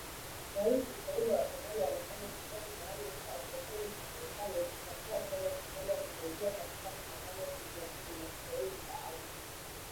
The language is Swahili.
Rais mteule wa Somalia anasema kikosi maalum cha operesheni cha Marekani kitakuwa tena Somalia kusaidia katika mapambano dhidi ya kundi la kigaidi la al-Shabaab.